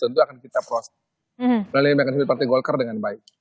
tentu akan kita proses melalui mekanisme partai golkar dengan baik